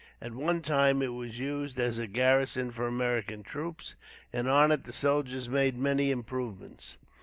At one time, it was used as a garrison for American troops, and on it, the soldiers made many improvements.